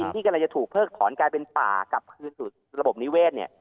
ที่กำลังจะถูกเพิกถอนกลายเป็นป่ากลับคืนสู่ระบบนิเวศเนี่ย